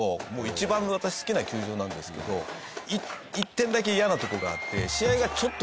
一番私好きな球場なんですけど一点だけ嫌なとこがあって。